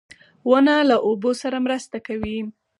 • ونه له اوبو سره مرسته کوي.